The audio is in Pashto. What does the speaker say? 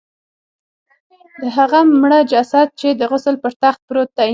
د هغه مړه جسد چې د غسل پر تخت پروت دی.